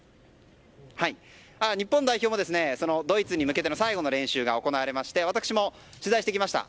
日本代表はドイツに向けての最後の練習が行われまして私も取材してきました。